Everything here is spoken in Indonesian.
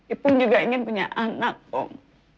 ipung juga ingin punya anak om